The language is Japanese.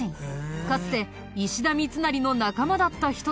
かつて石田三成の仲間だった人たちなんだ。